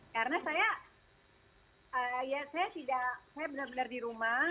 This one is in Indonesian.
karena saya ya saya tidak saya benar benar di rumah